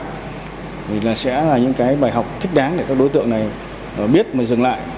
thì là sẽ là những cái bài học thích đáng để các đối tượng này biết mà dừng lại